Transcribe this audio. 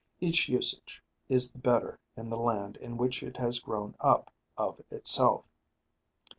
Each usage is the better in the land in which it has grown up of itself."